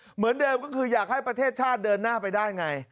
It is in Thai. เหมือนเดิมก็คืออยากให้ประเทศชาติเดินหน้าไปได้ไง